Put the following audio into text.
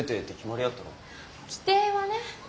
規定はね。